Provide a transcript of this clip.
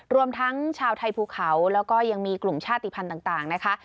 รวมทั้งชาวไทยภูเขาแล้วก็ยังมีกลุ่มชาติภัณฑ์ต่างนะคะ